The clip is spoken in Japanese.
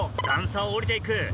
段差を下りて行く。